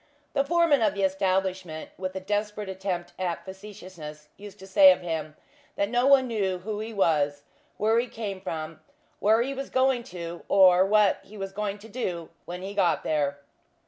The foreman of the establishment with a desperate attempt at facetiousness, used to say of him, that no one knew who he was, where he came from, where he was going to, or what he was going to do when he got there.